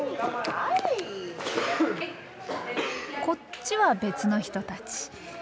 こっちは別の人たち。